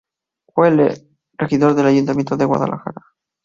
Fue electo regidor del Ayuntamiento de Guadalajara.